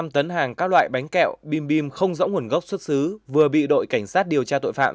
một mươi tấn hàng các loại bánh kẹo bim bim không rõ nguồn gốc xuất xứ vừa bị đội cảnh sát điều tra tội phạm